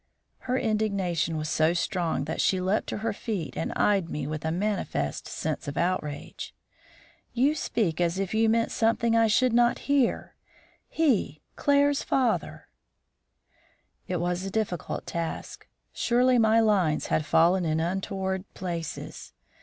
Her indignation was so strong that she leaped to her feet and eyed me with a manifest sense of outrage. "You speak as if you meant something I should not hear. He! Claire's father " It was a difficult task. Surely my lines had fallen in untoward places.